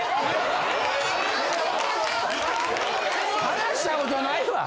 ・話したことないわ！